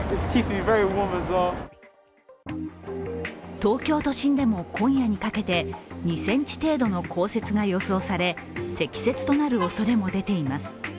東京都心でも今夜にかけて２ｃｍ程度の降雪が予想され積雪となるおそれも出ています。